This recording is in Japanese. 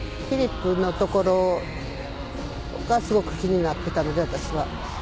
フリップのところがすごく気になってたので、私は。